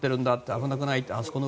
危なくない？って